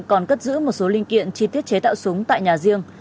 còn cất giữ một số linh kiện chi tiết chế tạo súng tại nhà riêng